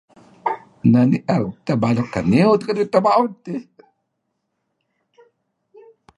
Neh nier edteh kaniew teh baut iih.